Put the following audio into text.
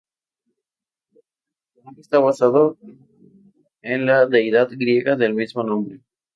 El personaje esta basado en la deidad griega del mismo nombre.